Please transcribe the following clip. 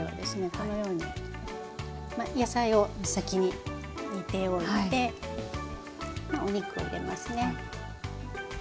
このように野菜を先に煮ておいてお肉を入れますね。